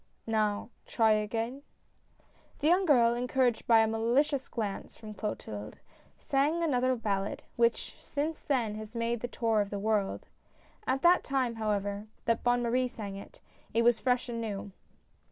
" Now, try again ?" The young girl, encouraged by a malicious glance from Clotilde, sang another ballad, which, since then, has made the tour of the world. At the time, however, that Bonne Marie sang it, it was fresh and new.